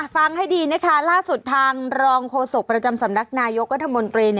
ฟังให้ดีล่าสุดทางลองโคสกประจำสำนักนายกเวทย์วัฒนบนเตรียน